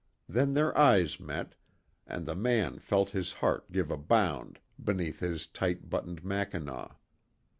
Then their eyes met, and the man felt his heart give a bound beneath his tight buttoned mackinaw.